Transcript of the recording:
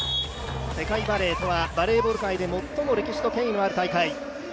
世界バレーとはバレー大会の中で最も権威のある大会。